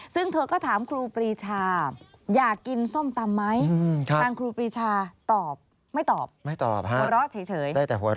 ซึ่งเธอก็ถามครูปีชาอยากกินส้มตำมั้ย